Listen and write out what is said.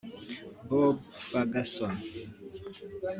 Bob Ferguson